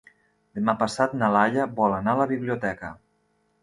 Demà passat na Laia vol anar a la biblioteca.